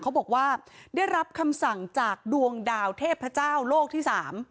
เขาบอกว่าได้รับคำสั่งจากดวงดาวเทพเจ้าโลกที่๓